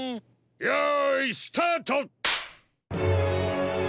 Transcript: よいスタート！